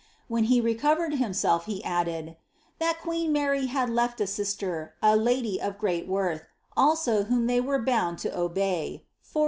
When he recovered himself, he added, ^ that queen Mary had lefi a siiKter, a lady of great worth, also, whom they were bound to obey ; fnr